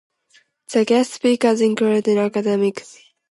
The guest speakers include academic as well as spiritual scholars of Buddhism.